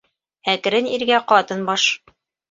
Әкрен иргә ҡатын баш.